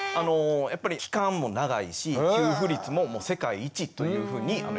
やっぱり期間も長いし給付率も世界一というふうにいわれてます。